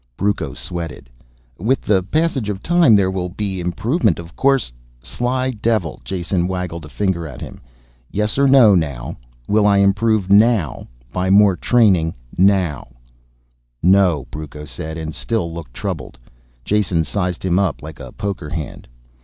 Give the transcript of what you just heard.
Brucco sweated. "With the passage of time there will be improvement of course " "Sly devil!" Jason waggled a finger at him. "Yes or no, now. Will I improve now by more training now?" "No," Brucco said, and still looked troubled. Jason sized him up like a poker hand.